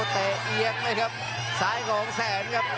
เตะเอียงเลยครับซ้ายของแสนครับ